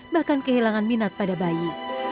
bahkan kehilangan minat pada bayi